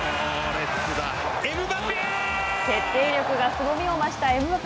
決定力がすごみを増したエムバペ。